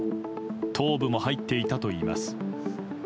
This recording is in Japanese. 頭部も入っていたといいます。